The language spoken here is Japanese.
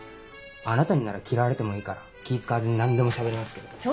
あなたになら嫌われてもいいから気使わずに何でもしゃべれますけど。